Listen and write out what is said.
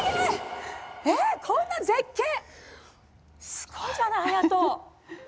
すごいじゃない、逸人！